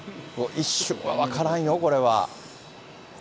一瞬は分からんよ、これは。